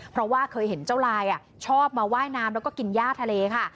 เพราะว่าเคยเห็นเจ้าลายชอบมาว่ายน้ำแล้วก็กินย่าทะเลค่ะ